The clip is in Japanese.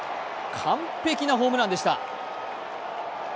完璧なホームランでした。